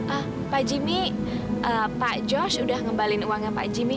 ah pak jimmy pak george udah ngembalin uangnya pak jimmy